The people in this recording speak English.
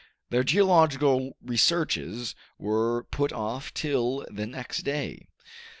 Their geological researches were put off till the next day.